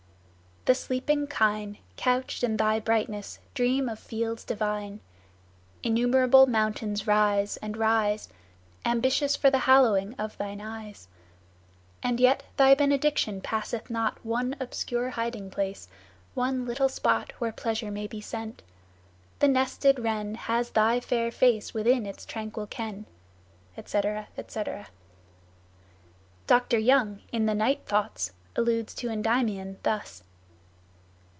The sleeping kine Couched in thy brightness dream of fields divine. Innumerable mountains rise, and rise, Ambitious for the hallowing of thine eyes, And yet thy benediction passeth not One obscure hiding place, one little spot Where pleasure may be sent; the nested wren Has thy fair face within its tranquil ken;" etc., etc. Dr. Young, in the "Night Thoughts," alludes to Endymion thus